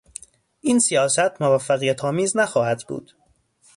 این سیاست موفقیتآمیز نخواهد بود.